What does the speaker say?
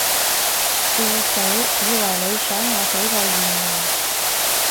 笑死，以為你想有幾個現任